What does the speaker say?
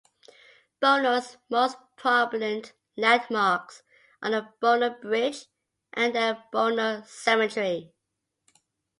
Bono's most prominent landmarks are the Bono Bridge and the Bono Cemetery.